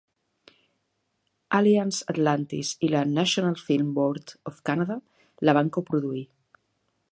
Alliance Atlantis i la National Film Board of Canada la van coproduir.